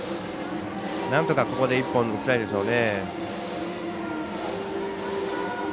なんとか、ここで１本打ちたいでしょうね。